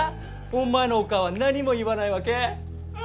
お前のオカーは何も言わないわけ？